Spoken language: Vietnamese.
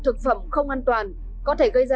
thực phẩm không an toàn có thể gây ra